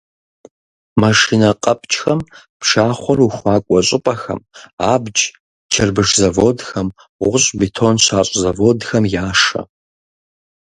Машинэ къэпкӀхэм пшахъуэр ухуакӀуэ щӀыпӀэхэм, абдж, чырбыш заводхэм, гъущӀ-бетон щащӀ заводхэм яшэ.